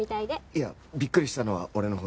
いやびっくりしたのは俺のほう。